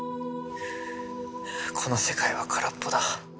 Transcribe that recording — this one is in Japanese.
この世界は空っぽだ。